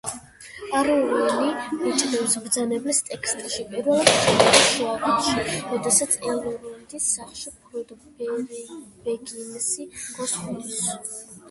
არუენი „ბეჭდების მბრძანებლის“ ტექსტში პირველად ჩნდება შუაველში, როდესაც ელრონდის სახლში ფროდო ბეგინსი გონს მოდის.